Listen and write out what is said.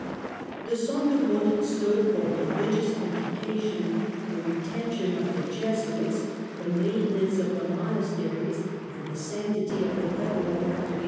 The Sonderbund stood for religious education, the retention of the Jesuits, the maintenance of the monasteries, and the sanctity of the federal Pact of 1815.